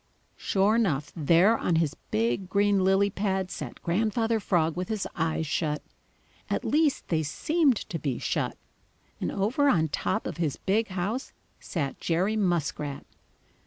Sure enough, there on his big green lily pad sat Grandfather Frog with his eyes shut. At least, they seemed to be shut. And over on top of his big house sat Jerry Muskrat.